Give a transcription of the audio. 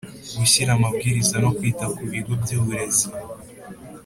Gushyiraho amabwiriza no kwita ku bigo by’ uburezi